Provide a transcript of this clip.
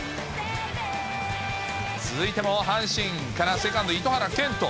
続いても阪神から、セカンド、糸原健斗。